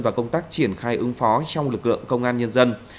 và công tác triển khai ứng phó trong lực lượng công an nhân dân